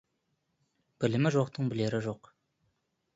Білімі жоқтың білері жоқ.